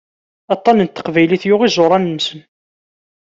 Aṭan n teqbaylit yuɣ iẓuran-nsen.